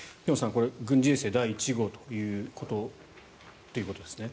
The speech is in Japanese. これ、軍事衛星第１号ということですね。